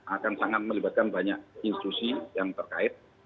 akan sangat melibatkan banyak institusi yang terkait